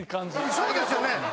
そうですよね！